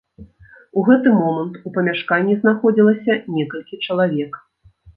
У гэты момант у памяшканні знаходзілася некалькі чалавек.